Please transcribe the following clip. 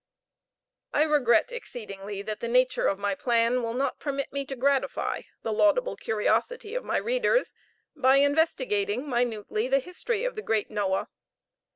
I regret exceedingly that the nature of my plan will not permit me to gratify the laudable curiosity of my readers, by investigating minutely the history of the great Noah.